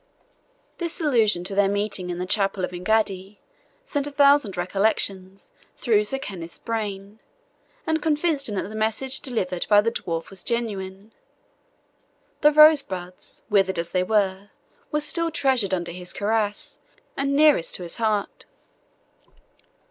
This allusion to their meeting in the chapel of Engaddi sent a thousand recollections through Sir Kenneth's brain, and convinced him that the message delivered by the dwarf was genuine. The rosebuds, withered as they were, were still treasured under his cuirass, and nearest to his heart.